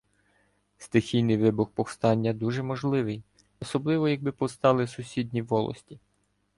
Стихійний вибух повстання дуже можливий, особливо якби повстали сусідні волості.